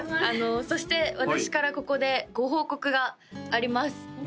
そして私からここでご報告があります報告？